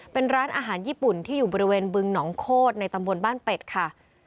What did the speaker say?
เป็นร้านอาหารญี่ปุ่นที่อยู่บริเวณบึงหนองโคตรในตำบลบ้านเป็ดค่ะ